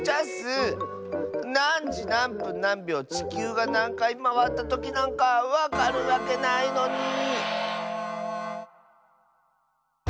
なんじなんぷんなんびょうちきゅうがなんかいまわったときなんかわかるわけないのに。